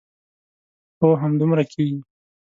هو همدومره کېږي.